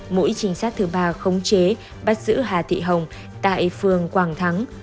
mũi trinh sát thứ ba khống chế bắt giữ hà thị hồng tại phường quảng thắng